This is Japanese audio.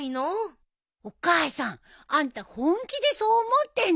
お母さんあんた本気でそう思ってんの！？